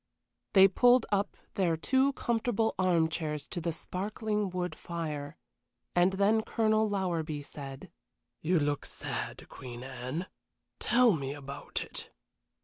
They pulled up their two comfortable arm chairs to the sparkling wood fire, and then Colonel Lowerby said: "You look sad, Queen Anne. Tell me about it."